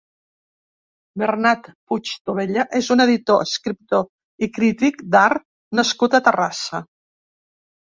Bernat Puigtobella és un editor, escriptor i crític d'art nascut a Terrassa.